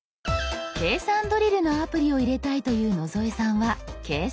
計算ドリルのアプリを入れたいという野添さんは「計算」。